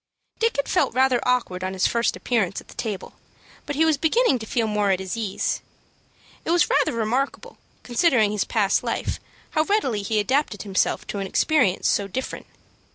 Dick had felt rather awkward on his first appearance at the table, but he was beginning to feel more at his ease. It was rather remarkable, considering his past life, how readily he adapted himself to an experience so different.